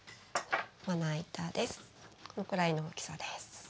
このくらいの大きさです。